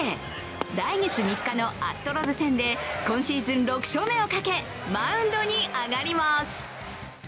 来月３日のアストロズ戦で今シーズン６勝目をかけ、マウンドに上がります。